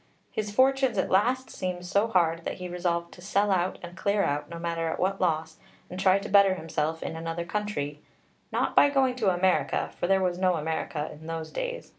His fortunes at last seemed so hard that he resolved to sell out and clear out, no matter at what loss, and try to better himself in another country not by going to America, for there was no America in those days.